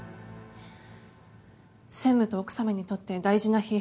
専務と奥さまにとって大事な日。